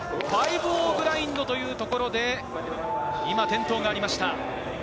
５−０グラインドというところで今、転倒がありました。